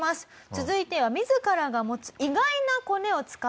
続いては自らが持つ意外なコネを使っていくんです。